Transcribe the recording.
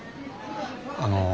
あの。